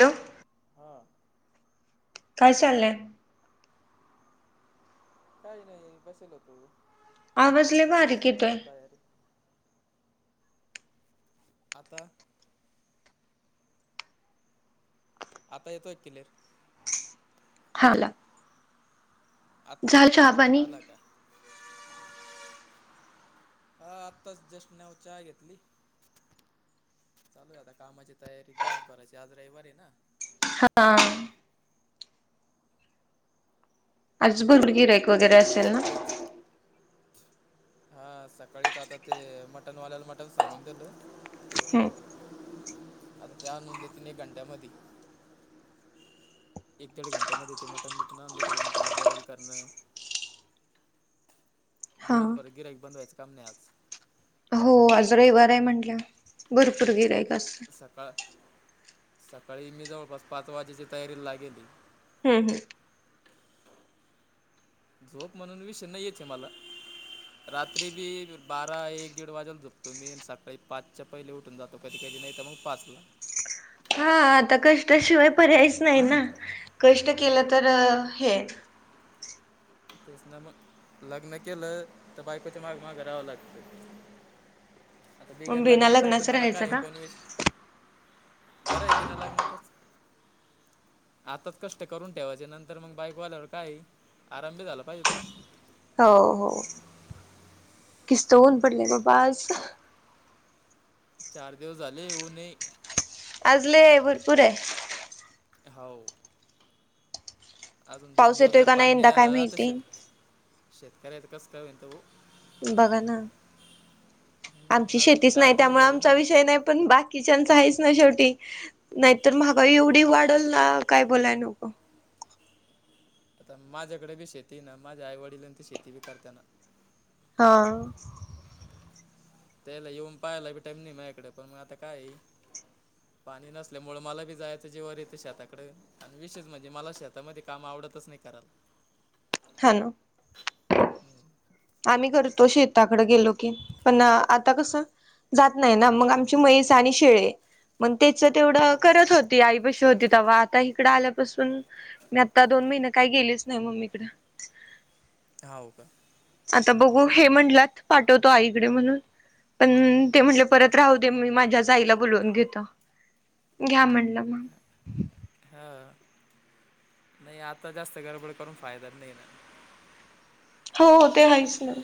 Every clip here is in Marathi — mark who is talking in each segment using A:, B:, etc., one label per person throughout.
A: हॅलो
B: हां
A: काय चालंय
B: काही नाही बसेल होतो.
A: आवाजले
B: चालू आहे
A: बारीक
B: सकाळची
A: येतोय.
B: तयारी आता आता येतोय की क्लिअर
A: हा ला
B: आ
A: चहा पाणी
B: अला का हा आत्ताच जस्ट नाव चा घेतली चालू आता कामाची तयारी दिवसभराची आज रविवारी आहे ना
A: हा आज बरं गिरयाक
B: आता सकाळीच हा सकाळीच आता ते मटनवाल्याला मटण सांगून दिलं
A: हम्म
B: आता त्या नोंदीतीन एक घंट्यामध्ये एक दीड घंट्यामध्येध ते मटण घेत ना म त्याला बॉइल करणं
A: हा
B: दिवसभर गिरायक बंदवायच काम नाही आज
A: हो आज रविवार आहे म्हंटल्या भरपर गिरायकर आहे कासं
B: सकाळ सकाळी मी जवळपास पाच वाजेची तयारी लागेली
A: हम् हम्
B: झोप म्हणून विषय नाही येते मला रात्री बी बारा एक दीड वाजेला झोपतो मी सकाळी पाचच्या पहिले उठून जातो तो कधी केे नाही तर मग पाच लाख
A: हा आता कष्टाशिवाय पर्यायच नाही ना कष्ट केलं तर हे
B: तेच ना मग लग्न केलं तर बायकोच्या माग मागरावं लागतं आता बिगर
A: मग बिना
B: लग्नच आहे तर
A: लग्नाचं
B: मला
A: राहायचं
B: काय
A: का
B: एकोणवीस बरं आहे बिना लग्नतच आताच कष्ट करून ठेवायचे नंतर मग बायको आवाल्यावर काय आरामभ झाला पाहिजेत ना
A: हो हो किस्त होऊन पडले बाबा आज
B: चार दिवस झाले होऊन
A: आजले आहे भरपूर आहे
B: हो अजून दोन
A: पाऊस
B: दिवस
A: येतोय
B: जर
A: का
B: पान नाही
A: यंदा काय
B: आला तर
A: माहिती
B: शेत शेतकऱ्यात कस का होईन
A: बघा ना
B: हम्म,
A: आमची
B: आज
A: शेतीच
B: चार
A: नाही
B: दिवस
A: त्यामुळे
B: झाले
A: आमचा
B: ना
A: विषय नाही पण बाकी किचनच आहेच ना शेवटी नाहीतर मगा एवढी वाढल ना काय बोलाय नको
B: आता माझ्याकडे बी शेती ना माझ्या आईवडिला ती शेती बी करत ना
A: हं
B: त्याला येऊन पाहाला बी टाईम नाही माझ्याकडे पण मग आता काय ये पाणी नसल्या मुळ मला बी जायचं जेवर येते शेताकड आणि विशेष म्हणजे मला शेतामध्ये काम आवडतच नाही कराला
A: ह ना आम्ही करतो शेताकडें गेलो की पण आता कसं जात नाही ना मग
B: हां
A: आमची मैस आणि शेळे मग तेच तेवढं करत होत आई पशी होती तेव्हा आता इकडं आल्यापासून मी आता दोन महिने काय गेलेच नाही मम्मीकडे
B: हा हो का
A: आता बघू हे म्हटलात पाठवतो आईकडे म्हणून पण ते म्हटले परत राहू दे मी माझ्याच आईला बोलवून घेतो घ्या म्हणलं मग.
B: हा. नाही, आता जास्त गडबड करून फायदा नाही ना.
A: हो ते आहेच ना.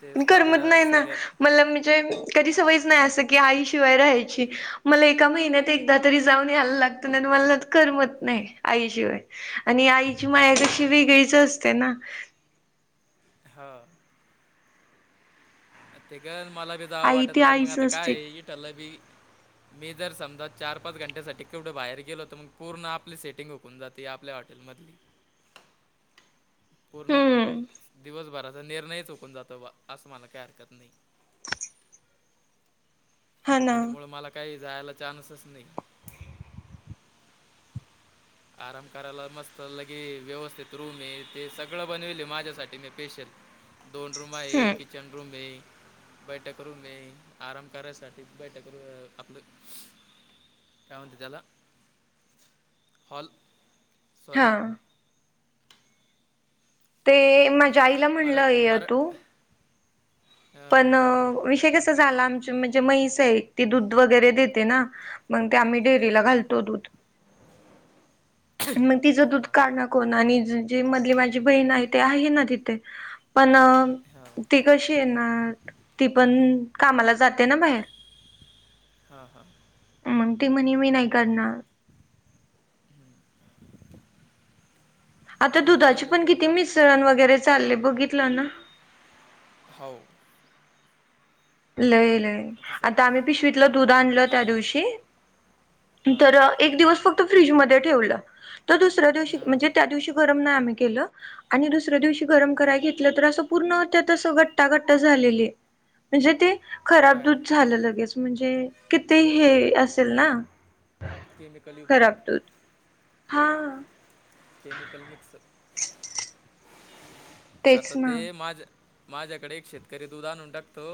B: तेच
A: मी
B: तर
A: करमत
B: आता
A: नाही ना
B: शरीर
A: मला म्हणजे कधी सवयच नाही असं की आई शिवाय राहायची मला एका महिन्यात एकदा तरी जाऊन यायला लागतं ना मला करमत नाही आईशिवाय आणि आईची माया
B: हो
A: कशी
B: का
A: वेगळीच असते ना
B: हा ते कळल मला बी जावा
A: आई ती
B: वाटत, पण मग
A: आईच
B: आता
A: असते.
B: काय इ ठलं बी मी जर समजा, चार पाच घंट्यासाठी केवढे बाहेर गेलो, तर मग पूर्ण आपली सेटिंग हूकून जाते आपल्या हॉ टेल मधली. पूर्ण
A: हम्म
B: दिवसभराचा निर्णय चुकून जातो बा, असं मला काही हरकत नाही.
A: हा ना
B: त्याच्यामुळे मला काही जायला चान्सच नाही.
A: [inaudible]
B: आराम करायला मस्त लगे व्यवस्थित रुम ये, ते सगळं बनविले माझ्यासाठी मी स्पेशल दोन रूम आहे.
A: हम्म
B: किचन रूम ये, बैठक रूम ये आराम करायसाठी बैठक र आपलं काय म्हणतात त्याला? हॉल. सॉरी
A: हां. ते माझ्या आईला
B: मरा
A: म्हणलं य
B: मरा
A: तू
B: हां
A: पण विषय कस झाला, आमच म्हणजे मैस आहे ती दूध वगैरे देते ना मग ते आम्ही डेअरीला
B: हां
A: घालतो दूध मग तिचं दूध
B: हो
A: काढणं कोण आणि जी मधली माझी बहीण आहे, ती आहे ना तिथे पण
B: हां
A: कशी आहे ना, ती पण कामाला जाते ना बाहेर
B: हा हा.
A: मग ती म्हणे, मी नाही काढनार.
B: [inaudible]
A: आता
B: नाही
A: दुधाचे
B: इकडून
A: पण
B: पुढं
A: किती,
B: तर
A: मिसळण वगैरे चालले बघितलं ना.
B: होव.
A: लय लय
B: तसं
A: आता आम्ही पिशवीतलं दूध आणलं त्या दिवशी,
B: हां
A: तर एक दिवस फक्त फ्रिज मध्ये ठेवलं, तर दुसऱ्या दिवशी
B: हां
A: म्हणजे त्या दिवशी गरम नाही आम्ही केल, आणि दुसऱ्या दिवशी गरम
B: हां
A: कराय घेतलं. तर असं पूर्ण त्यात असं गट्टा गट्टा झालेली. म्हणजे ते खराब
B: काय
A: दूध झालं लगेच म्हणजे किती हे असेल ना.
B: केमिकल युक्त.
A: खराब दूध हा.
B: Chemical mix.
A: तेच
B: आता ते
A: ना
B: माझ -माझ्याकडे एक शेतकरी दूध आणून टाकतो.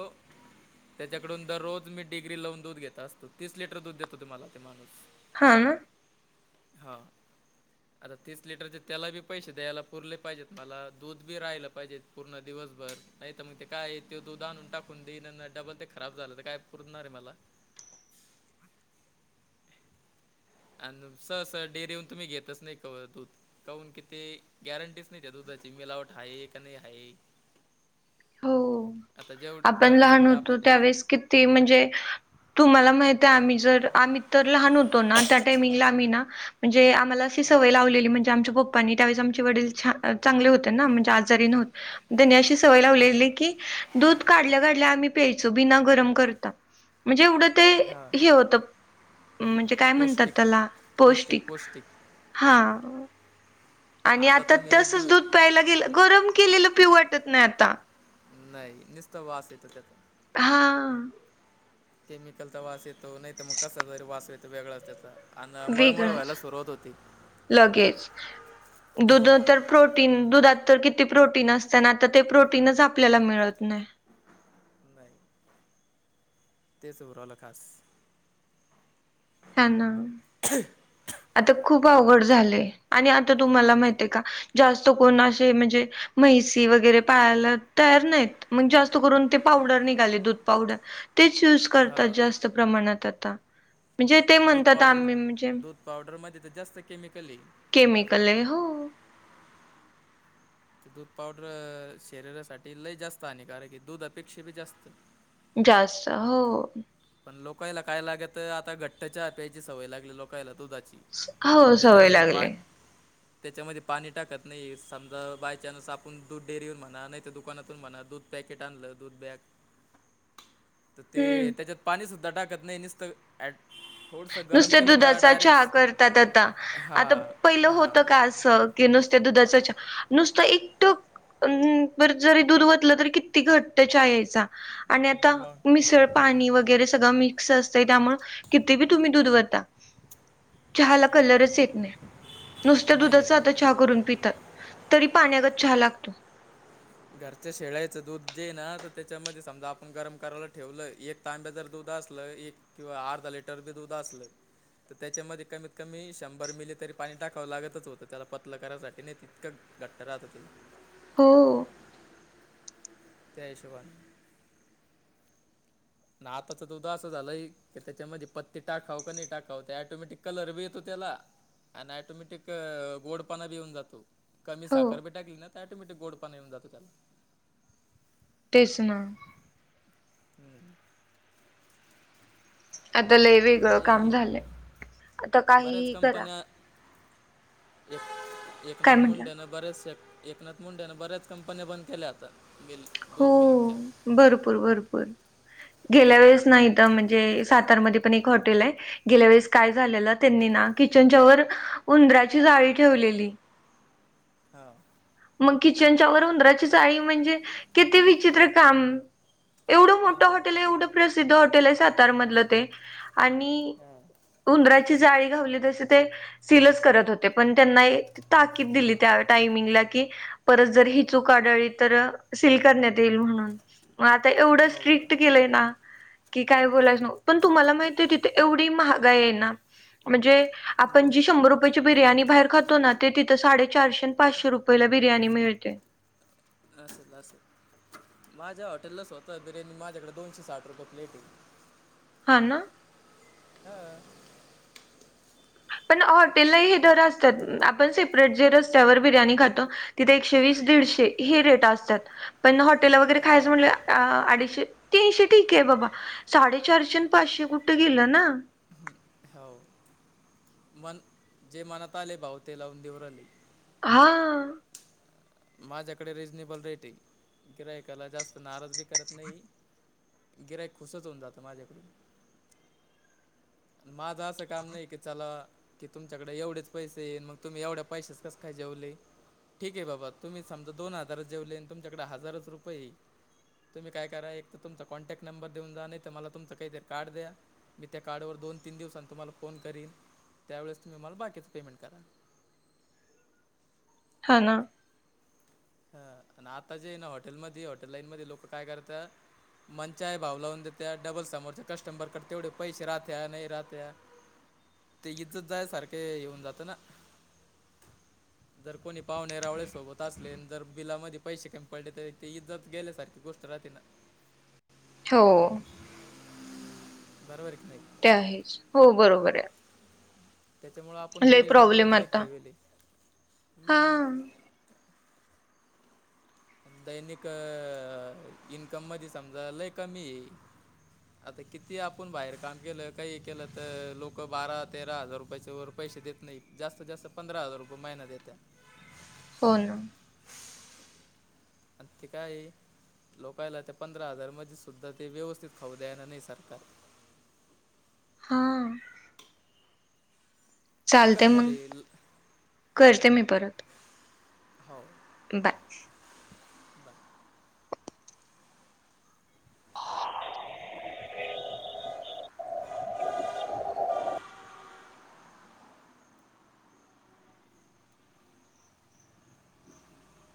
B: त्याच्याकडून दररोज मी डिग्री लावून दूध घेत असतो, तीस लिटर दूध देतो ते मला तो माणूस.
A: हा ना.
B: हा. आता तीस लिटरचे तेला बी पैसे द्यायला पुरले पाहिजेत, मला दूध बी राहायला पाहिजे. पूर्ण दिवसभर नाही तर, मग ते काय ते दूध आणून टाकून देईन डबल ते खराब झालं तर काय पुरणार आहे मला. अन सरळ सरळ डेअरी वर, येऊन तुम्ही घेतच नाही कवा दुध. काउन किती गॅरंटीच नाही, त्या दुधाची मिलावट आहे का नाही आहे.
A: हो,
B: आता जेवढ
A: आपण
B: जेवढे
A: लहान
B: समजा आपले
A: होतो
B: परि
A: त्यावेेळेस कित ते म्हणजे तुम्हाला माहित आहे, आम्ही जर आम्ही तर लहान होतो. म्हे आम्हाला सवय लावली आ् आणि त्यावेळेस आमचे वडील छ चांगले होते ना म्हणजे आजारी नवते त्यांनी अशी सवय
B: हां
A: लावलेली की दूध काढल्या काढल्या आम्ही प्यायचो बिना गरम करता म्हणजे एवढं ते
B: हां
A: हे होतं म्हणजे काय म्हणतात
B: पौष्टिक
A: त्याला पौष्टिक हा आणि आता
B: तुम्ही एक
A: तसचं
B: गिल
A: दूध प्यायला गेलं गरम केलेलं पिऊ वाटत नाही आता.
B: नाही निस्ता वास येतो त्याचा.
A: हा.
B: केमिकलचा वास येतो नाही तर, मग कसा तरी वास येतो वेगळाच त्याचा. आणि मळमळ
A: वेगळंच
B: व्हायला, सुरुवात होती
A: लगेच. दुध
B: हा.
A: तर प्रोटीन दुधात तर किती प्रोटीन असत ना आता ते प्रोटीनच आपल्याला मिळत नाही
B: नाही तेच बरला खास
A: हा ना आता खूप अवघड झालेय आणि आता तुम्हाला
B: हो
A: माहती आहे का जास्त कोण असे म्हणजे म्हैस वगैरे पाहायला तयार नाहीत मग जास्त करून ते पावडर निघाले दूध पावडर तेच यूज
B: हा
A: करतात जास्त प्रमाणात आता म्हणजे ते
B: दूध
A: म्हणतात
B: पावडर
A: आम्ही म्हणजे
B: दूध पावडरमध्येध्ये तर जास्त केमिकल आहे अजून
A: केमिकल आहे हो.
B: ते दूध पावडर शरीरासाठी लय जास्त आहे कारण की दूध अपेक्षा बी जास्त
A: जास्त हो
B: पण लोकायला काय लाग तर आता घट्ट प्यायची सवय लागली लोकायला दुधाची
A: हो सवय
B: त्याच्यामध्ये
A: लागली
B: पान त्याच्यामध्ये पाणी टाकत नाही समजा बायचान्स आपण दूध डेअरीवरून म्हणा नाही तर दुकानातून म्हणा दूध पॅकेट आणलं दूध बॅग
A: [inaudible]
B: तर ते
A: हम्म
B: त्याच्यात पाणीसद्धा टाकत नाही नसतं
A: नुसत्या दुधाचा चहा करतात आता आता
B: हां
A: पहिलं
B: हां
A: होतं कास क नुसत्या दुधाच नुसत एकट म् प जरी दूध वतलं तरी किती घट्ट चहा यायचा आणि आता
B: मग
A: मिसळ पाणी वगैरे सगळं मिक्स असते त्यामु कि क
B: नाही आहे
A: च करून पितात तरी पाण्यागत चहा लागतो
B: घरच्या शेळायचं दूध जे ना त्याच्यामध्ये समजा आपण गरम करायला ठेवलं एक ार दूध असल एक किंवा अर्धा लिटर बी दूध असलं तर त्याच्यामध्ये कमीत कमी शंभर मिले तरी पाणी टाकावं लागतच होतं त्याला पतलं करायसाठी नाही तितकं घट राततील
A: हो
B: जयशवाण ना आताच त उदा असं झालंय त्याच्यामध्ये पत्ते टाकाव का नाही टाकाव ते टोमॅटिक कलर बी येतो त्याला आणि ॲटोमॅटिक गोड पाणा बि येऊन जातो कमी
A: हो
B: साखरी टाकली ना टोमेटिक गोड पाण येऊन जातो त्याला
A: तेच ना
B: हम्
A: आता लय वेगळं
B: काय
A: काम
B: आहे?
A: झालंय आता
B: बऱ्याच
A: काही करा
B: कंपन्या एक
A: काय
B: एकनाथ
A: म्हटला?
B: मुंडेनं बरेच श एकनाथ मुंडेनं बर्याच कंपन्या बंद केल्यात तर मिलत
A: हो भरपूर भरपूर गेल्या
B: हो
A: वेळेस नाही म्हणजे सातार म पण एक हॉटेल आहे गेल्या वेळेस काय झालेलं त्यांनी ना किचनच्या वर उंदरा्याची जाळी ठेवलेली
B: हा.
A: मग किचनच्या वर उंदराची जाळी म्हणजे किती विचित्र काम. एवढं मोठं
B: हो
A: हॉटेल आहे, एवढं प्रसिद्ध हॉटेल आहे सातारमधलं ते आणि
B: हां
A: उंदराची जाळी घावली तसे ते सीलच करत होते पण त्यांना एक ताकीद दिली त्या टामिंगला. परत जर ही चूक आढ तर सील करण्यात येईल म्हणून मग आता एवढं
B: हो का
A: स्ट्रिक्ट केलंय ना की काय बोलायच न पण तुम्हाला माहिती तिथे एवढी महागा आहे ना म्हणजे
B: हम्म.
A: आपण जी शंभर रुपयाची बिर्याणी बाहेर खातो ना ते तिथं साडे चारशे आणि पाचशे रुपय पहिले बिर्याणी मिळते
B: असेल असेल. माझ्या हॉटेललाच होतं बिर्याणी. माझ्याकडे दोनशे साठ रुपये प्लेट आहे.
A: हा ना.
B: हा.
A: पण हॉटेललाही हे दर असतात. आपण सेपरेट जे रस्त्यावर बिर्याणी खातो. तिथे एकशे वीस दीडशे हे रेट असतात. पण हॉटेल वगैरे
B: हां
A: खायचं म्हणलं अ अडीचशे तीनशे ठीके आहे बाबा साडेचारशे आणि पाचशे कुठे गेलं ना?
B: हो पण जे मनात आले भाऊ ते लावून देवराले.
A: हा.
B: माझ्याकडे रिझनेबल रेट आहे. गिरायकाला जास्त नाराज बी करत नाही. गिरायक खुश होऊन जातं माझ्याकडून.
A: [inaudible]
B: माझ अस काम नाही की चला की तुमच्याकडे एवढेच पैसे येईन मग तुम्ही एवढ्या पैशच कस काय जेवले? ठीक आहे बाबा. तुम्ही समजा दोन हजारच जेवले तुमच्याकडे हजारच रुपये. तुम्ही काय करा एक तर तुमचा कॉन्टॅक्ट नंबर देऊन जा नाही तर मला तुमच काहीतरी कार्ड द्या. मी त्या कार्डवर दोन तीन दिवसांनी तुम्हाला फोन करीन, त्यावेळेस तुम्ही मला बाकीचं पेमेंट करा.
A: हा ना.
B: हा आता जे आहे ना हॉटेलमध्ये हॉटेल लाईन मध्ये लोक काय करतात? मंचाय भाव लावून दे त्या डबल समोरच्या कस्टमबरकडे तेवढे पैसे राहत्या नाही राहत्या.
A: [inaudible]
B: ते इज्जत जाय सारखे येऊन जातं ना. जर कोणी पाव रावळे सोबत अस जर बिलामध्ये पैसे का कमी पडले त ते इजत गेले सारखी गोष्ट राहते ना.
A: हो.
B: बरोबर आहे की नाही?
A: ते आहेच हो बरोबर आहे.
B: त्याच्यामुळे आपण बी
A: लय
B: रिजनेबलच
A: प्रॉब्लेम
B: रेट
A: आता
B: ठेवेल ब
A: हा
B: दैनिक इन्कम मध्ये समजा लई कमी आहे. आता किती आपण बाहेर काम केलं काही केलं तर लोक बारा तेरा हजार रुपयाच्या वर पैसे देत नाही जास्त जास्त पंधरा हजार रुपये महिना देतात.
A: हो ना.
B: आ ते काय आहे? लोकांला ते पंधरा हजारमध्येध सुुद्धा ते व्यवस्थित खाऊ द्यायणार नाही सरकार.
A: हां
B: काय
A: चालते मग
B: करणारे हा
A: करते मी
B: हो
A: बर.
B: बाय [inaudible]